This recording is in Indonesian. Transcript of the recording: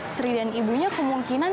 sri dan ibunya kemungkinan